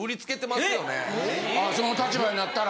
あその立場になったら。